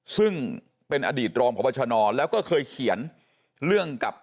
ซึ่งเป็นอดีตรองพบชนแล้วก็เคยเขียนเรื่องกับ